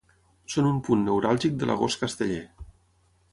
són un punt neuràlgic de l'agost casteller